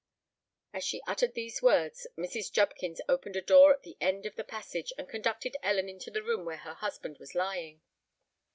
As she uttered these words Mrs. Jubkins opened a door at the end of the passage, and conducted Ellen into the room where her husband was lying.